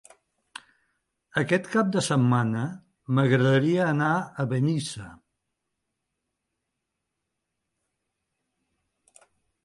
Aquest cap de setmana m'agradaria anar a Benissa.